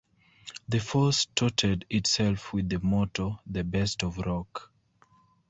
The Force touted itself with the motto "The Best of Rock".